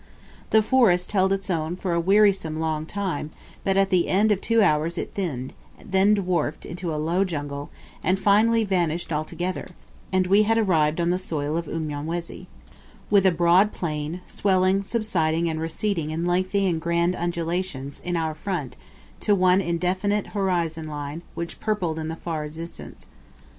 The forest held its own for a wearisomely long time, but at the end of two hours it thinned, then dwarfed into low jungle, and finally vanished altogether, and we had arrived on the soil of Unyamwezi, with a broad plain, swelling, subsiding, and receding in lengthy and grand undulations in our front to one indefinite horizontal line which purpled in the far distance.